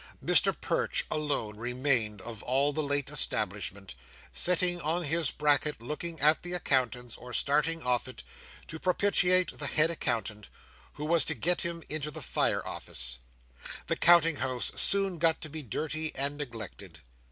Mr Perch alone remained of all the late establishment, sitting on his bracket looking at the accountants, or starting off it, to propitiate the head accountant, who was to get him into the Fire Office. The Counting House soon got to be dirty and neglected.